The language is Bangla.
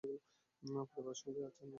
পরিবার সঙ্গেই আছেন?